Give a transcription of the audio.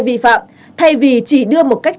vì phạm thay vì chỉ đưa một cách